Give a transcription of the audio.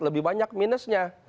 lebih banyak minusnya